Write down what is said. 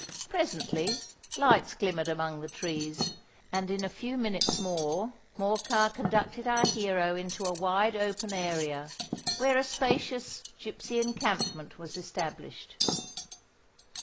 Presently lights glimmered among the trees; and in a few minutes more, Morcar conducted our hero into a wide open area, where a spacious gipsy encampment was established.